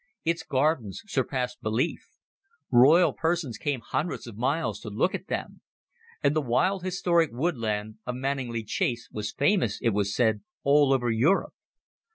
Its gardens surpassed belief; royal persons came hundreds of miles to look at them. And the wild historic woodland of Manninglea Chase was famous, it was said, all over Europe.